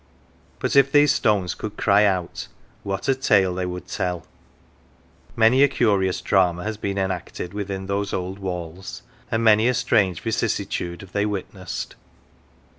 But if these stones could cry out, what a tale would they tell ! Many a curious drama has been enacted within those old walls, and many a strange vicissitude have they witnessed